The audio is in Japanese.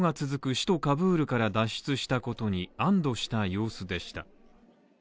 首都カブールから脱出したことに安堵した様子でした。